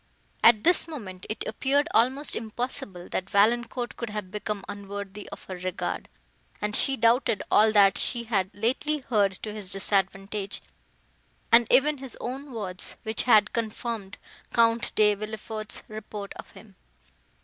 At this moment, it appeared almost impossible, that Valancourt could have become unworthy of her regard, and she doubted all that she had lately heard to his disadvantage, and even his own words, which had confirmed Count De Villefort's report of him.